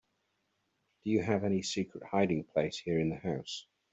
Do you have any secret hiding place here in the house?